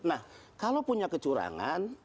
nah kalau punya kecurangan